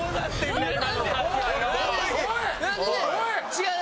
違う！